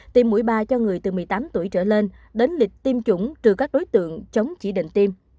tiêm mũi ba cho người từ một mươi tám tuổi trở lên đến lịch tiêm chủng trừ các đối tượng chống chỉ định tiêm